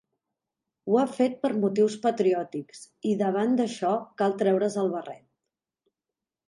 Ho ha fet per motius patriòtics, i davant d'això cal treure's el barret.